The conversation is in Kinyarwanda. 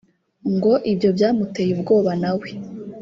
ngo ibyo byamuteye ubwoba na we